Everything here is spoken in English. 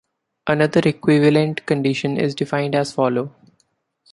Another equivalent condition is defined as follow.